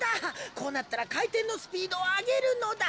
こうなったらかいてんのスピードをあげるのだ。